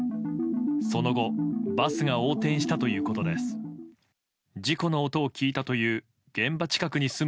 その後、バスが横転したということです。